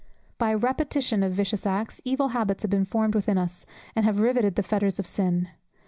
By a repetition of vicious acts, evil habits have been formed within us, and have rivetted the fetters of sin.